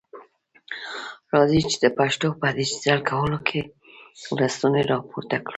راځئ چي د پښتو په ډيجيټل کولو کي لستوڼي را پورته کړو.